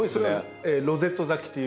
ロゼット咲きっていう。